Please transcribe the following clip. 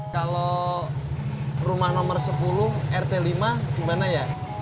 kalau rumah nomor sepuluh rt lima gimana ya